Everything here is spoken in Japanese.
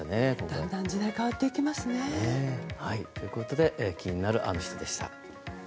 だんだん時代が変わっていきますね。ということで気になるアノ人でした。